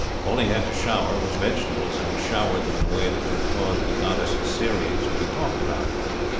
All he had to shower was vegetables, and he showered them in a way that would have caused the goddess Ceres to be talked about.